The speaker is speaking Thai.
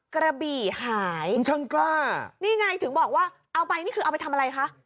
กระบี่หายช่างกล้านี่ไงถึงบอกว่าเอาไปนี่คือเอาไปทำอะไรคะ